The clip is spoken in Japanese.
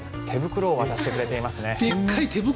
手袋を渡してくれていますね。